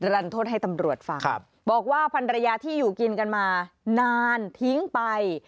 รันทศให้ตำรวจฟังบอกว่าพันรยาที่อยู่กินกันมานานทิ้งไป